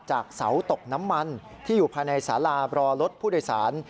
จากเสาตกน้ำมันที่อยู่ภายในสารารอรถผู้โดยสาร